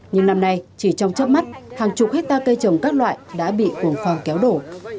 nhưng năm nay chỉ trong chấp mắt hàng chục hectare cây trồng các loại đã bị quần phòng kéo đổ